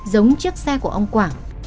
giống chiếc xe của ông quảng